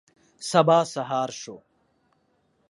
سبا سهار شو.